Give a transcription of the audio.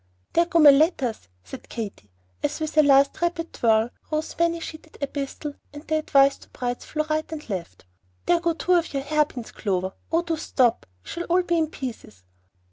"There go my letters," said Katy, as with the last rapid twirl, Rose's many sheeted epistle and the "Advice to Brides" flew to right and left. "There go two of your hair pins, Clover. Oh, do stop; we shall all be in pieces."